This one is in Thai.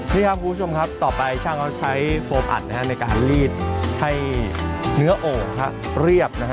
นี่ครับคุณผู้ชมครับต่อไปช่างเขาใช้โฟมอัดในการลีดให้เนื้อโอ่งเรียบนะฮะ